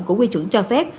của quy chuẩn cho phép